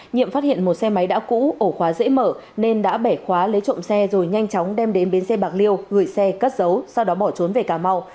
nhiệm phát hiện một xe máy đã cũ ổ khóa dễ mở nên đã bẻ khóa lấy trộm xe rồi nhanh chóng đem đến bến xe bạc liêu gửi xe cất dấu sau đó bỏ trốn về cà mau